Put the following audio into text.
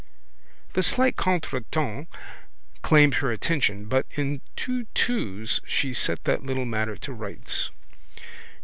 The slight contretemps claimed her attention but in two twos she set that little matter to rights.